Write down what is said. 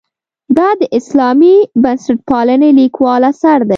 دا د اسلامي بنسټپالنې لیکوال اثر دی.